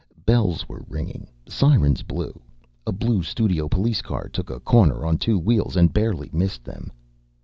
Bells were ringing sirens blew a blue studio police car took a corner on two wheels and barely missed them.